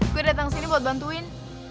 gue dateng sini buat bantuin